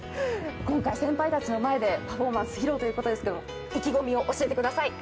今回先輩たちの前でパフォーマンス披露ということですけれども、意気込みを教えてください。